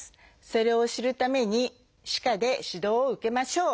それを知るために歯科で指導を受けましょう。